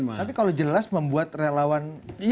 tapi kalau jelas membuat relawan